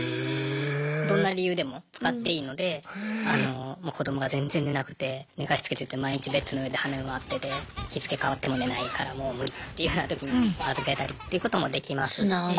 どんな理由でも使っていいので子どもが全然寝なくて寝かしつけてて毎日ベッドの上で跳ね回ってて日付変わっても寝ないからもう無理っていうようなときに預けたりっていうこともできますし。